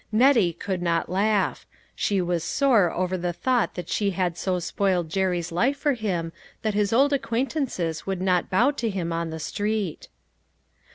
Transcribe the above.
Nettie could not laugh ; she was sore over the thought that she had so spoiled Jerry's life for him that his old acquaint ances would not bow to him on the street.